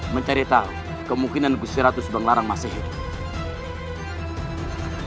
mencari tahu kemungkinan kusiratus banglarang masih hidup